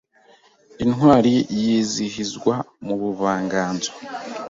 intwari yizihizwa mu buvanganzo,